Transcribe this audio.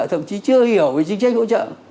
thậm chí chưa hiểu về chính trách hỗ trợ